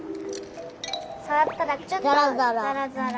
さわったらちょっとざらざら。